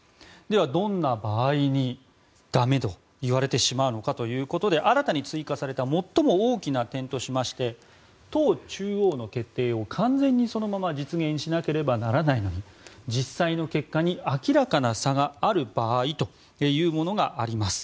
では、どんな場合に駄目といわれてしまうのかということで新たに追加された最も大きな点として党中央の決定を完全にそのまま実現しなければならないのに実際の結果に明らかな差がある場合というものがあります。